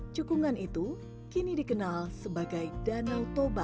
cekungan itu kini dikenal sebagai danau toba